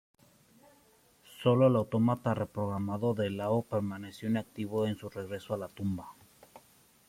Sólo el autómata reprogramado de Lao permaneció inactivo en su regreso a la tumba.